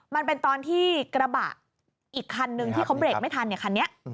มันเป็นตอนที่กระบะอีกคันนึงที่เขาเบรกไม่ทันเนี่ยคันนี้